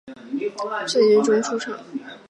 此后两个赛季他没能在联赛中出场。